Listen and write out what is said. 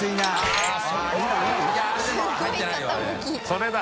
それだ！